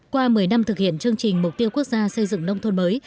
qua một mươi năm thực hiện chương trình mục tiêu quốc gia xây dựng nông thôn mới